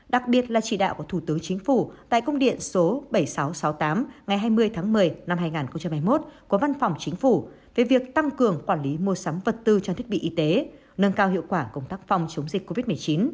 đặc biệt là chỉ đạo của thủ tướng chính phủ tại công điện số bảy nghìn sáu trăm sáu mươi tám ngày hai mươi tháng một mươi năm hai nghìn hai mươi một của văn phòng chính phủ về việc tăng cường quản lý mua sắm vật tư trang thiết bị y tế nâng cao hiệu quả công tác phòng chống dịch covid một mươi chín